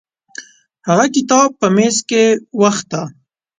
هغه کتاب په میز کې وخته.